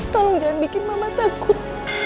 tolong jangan bikin mama takut